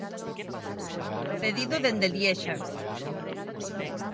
Cedido dende Liexa.